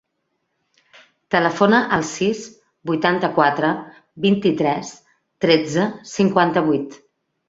Telefona al sis, vuitanta-quatre, vint-i-tres, tretze, cinquanta-vuit.